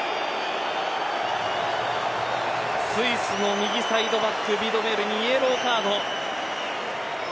スイスの右サイドバックヴィドメルにイエローカード。